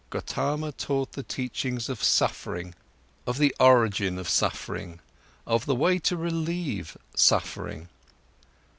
Gotama taught the teachings of suffering, of the origin of suffering, of the way to relieve suffering.